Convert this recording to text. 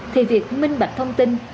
thì việc minh bạch thông tin